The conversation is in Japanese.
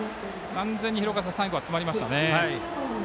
完全に最後は詰まりましたね。